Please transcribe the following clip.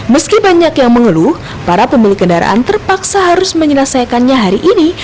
meski banyak yang mengeluh para pemilik kendaraan terpaksa harus menyelesaikannya hari ini